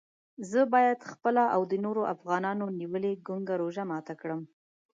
زه باید خپله او د نورو افغانانو نیولې ګونګه روژه ماته کړم.